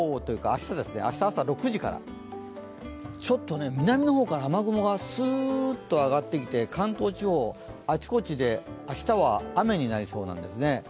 明日朝６時から、ちょっと南の方から、雨雲がすーっと上がってきて関東地方、あちこちで明日は雨になりそうなんですね。